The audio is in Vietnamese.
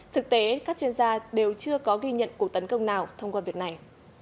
thực tế các chuyên gia đều chưa có ghi nhận cuộc tấn công nào thông qua việc này